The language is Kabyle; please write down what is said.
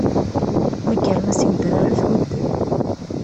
Ma kkren-as i udrar, ad t-hudden.